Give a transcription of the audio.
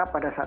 omnis dan umat